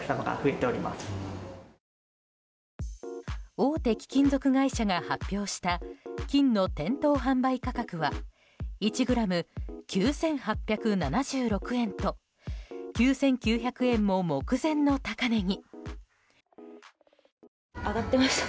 大手貴金属会社が発表した金の店頭販売価格は１ｇ＝９８７６円と９９００円も目前の高値に。